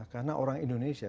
karena orang indonesia